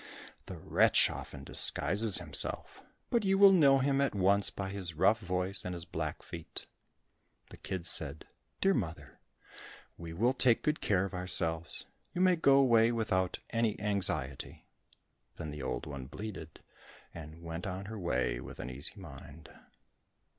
The wretch often disguises himself, but you will know him at once by his rough voice and his black feet." The kids said, "Dear mother, we will take good care of ourselves; you may go away without any anxiety." Then the old one bleated, and went on her way with an easy mind.